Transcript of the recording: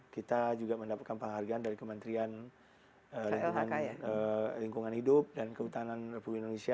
kita juga mendapatkan penghargaan dari kementerian lingkungan hidup dan kehutanan republik indonesia